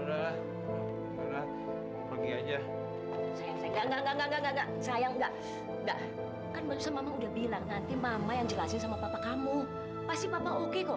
pasti papa oke kok nggak masalah